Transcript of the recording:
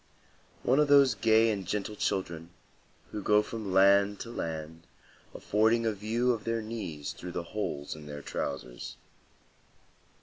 One of those gay and gentle children, who go from land to land affording a view of their knees through the holes in their trousers.